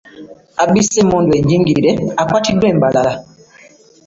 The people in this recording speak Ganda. Abbisa emmundu enjingirire akwatiddwa e Mbarara